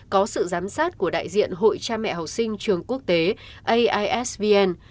có sự giám sát của đại diện hội cha mẹ học sinh trường quốc tế aisvn